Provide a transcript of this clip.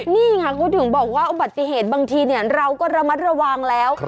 นี่ไงเขาถึงบอกว่าอุบัติเหตุบางทีเราก็ระมัดระวังแล้ว